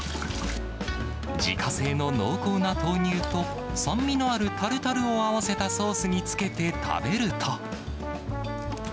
自家製の濃厚な豆乳と酸味のあるタルタルを合わせたソースにつけて食べると。